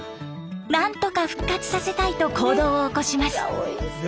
なんとか復活させたいと行動を起こします。